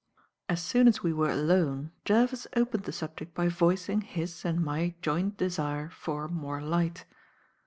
As soon as we were alone, Jervis opened the subject by voicing his and my joint desire for "more light."